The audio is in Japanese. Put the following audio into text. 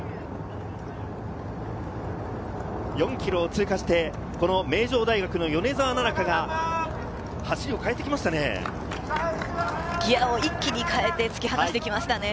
４ｋｍ通過して、この名城大学・米澤奈々香が走りを変えてきましたね。